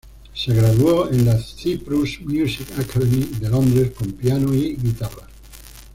Se graduó en la Cyprus Music Academy de Londres con piano y guitarra.